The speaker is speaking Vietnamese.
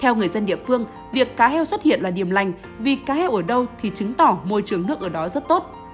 theo người dân địa phương việc cá heo xuất hiện là điểm lành vì cá heo ở đâu thì chứng tỏ môi trường nước ở đó rất tốt